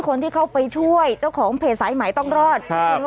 คนที่เข้าไปช่วยเจ้าของเพจสายใหม่ต้องรอด